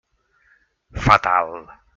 Fatal.